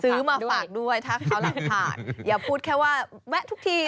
ซื้อมาฝากด้วยถ้าขาวหลังหลังอย่าพูดแค่ว่าแวะทุกที